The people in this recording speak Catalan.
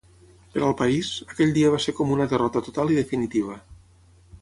Per al país, aquell dia va ser com una derrota total i definitiva.